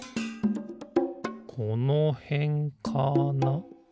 このへんかな？